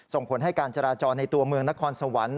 ส่งผลให้การจราจรในตัวเมืองนครสวรรค์